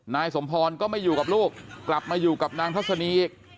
นายสมพรก็ไม่อยู่กับลูกกลับมาอยู่กับนางทัศนีอีก